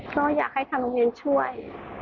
ก็อยากให้ทางโรงเรียนช่วย